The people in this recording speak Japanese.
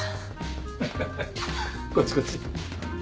ハハハこっちこっち。